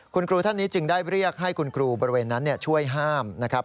คุณครูท่านนี้จึงได้เรียกให้คุณครูบริเวณนั้นช่วยห้ามนะครับ